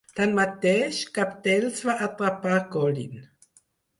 Tanmateix, cap d'ells va atrapar Colin.